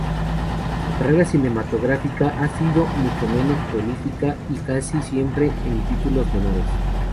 Su carrera cinematográfica ha sido mucho menos prolífica y casi siempre en títulos menores.